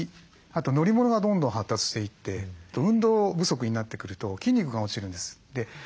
あと乗り物がどんどん発達していって運動不足になってくると筋肉が落ちるんです。